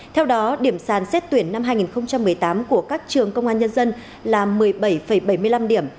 theo đó điểm sàn xét tuyển năm hai nghìn một mươi tám của các trường công an nhân dân là một mươi bảy bảy mươi năm điểm